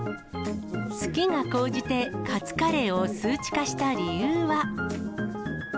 好きが高じて、カツカレーを数値化した理由は。